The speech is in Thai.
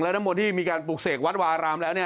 และน้ำมนต์ที่มีการปุกเสกวัดวรามและนะ